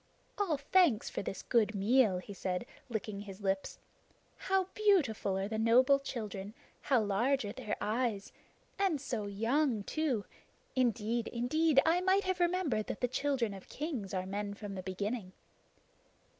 "All thanks for this good meal," he said, licking his lips. "How beautiful are the noble children! How large are their eyes! And so young too! Indeed, indeed, I might have remembered that the children of kings are men from the beginning."